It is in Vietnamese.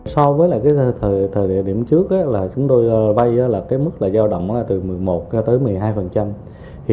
so với thời điểm trước chúng tôi vây mức giao động từ một mươi một tới một mươi hai